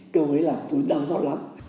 câu ấy làm tôi đau giọt lắm